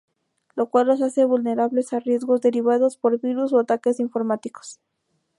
Lo cual los hace vulnerables a riesgos derivados por virus o ataques informáticos.